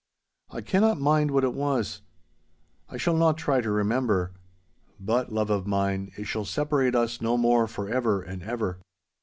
I cannot mind what it was. I shall not try to remember. But, love of mine, it shall separate us no more for ever and ever!